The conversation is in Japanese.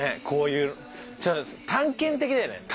こういう探検的だよね